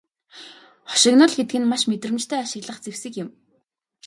Хошигнол гэдэг нь маш мэдрэмжтэй ашиглах зэвсэг юм.